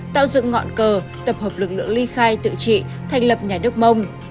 tạo dựng ngọn cờ tập hợp lực lượng ly khai tự trị thành lập nhà nước mông